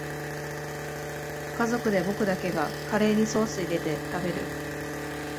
家族で僕だけがカレーにソースいれて食べる